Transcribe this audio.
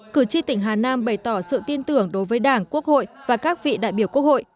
cử tri tỉnh hà nam bày tỏ sự tin tưởng đối với đảng quốc hội và các vị đại biểu quốc hội